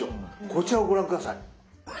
こちらをご覧下さい。